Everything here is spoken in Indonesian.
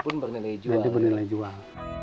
pun bernilai jual dan itu bernilai jual